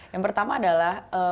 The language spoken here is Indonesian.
yang pertama adalah